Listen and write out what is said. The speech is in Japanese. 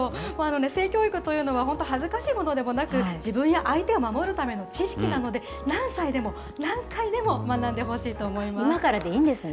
性教育というのは、本当、恥ずかしいものでもなく、自分や相手を守るための知識なので、何歳でも、今からでいいんですね。